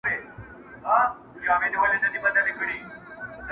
راڅخه پاته دا وطن دی اشنا نه راځمه.